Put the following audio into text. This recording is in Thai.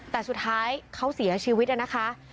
แต่สุดท้ายเขาเสียชีวิตนะคะ